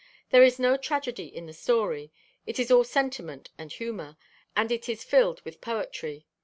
There is no tragedy in the story. It is all sentiment, and humor. And it is filled with poetry.